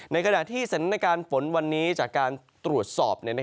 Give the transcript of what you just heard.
ในขณะที่เสนอในการฝนวันนี้จากการตรวจสอบ